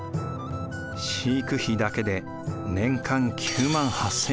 飼育費だけで年間９８０００両